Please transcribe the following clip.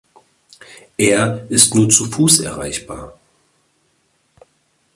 Er ist nur zu Fuß erreichbar.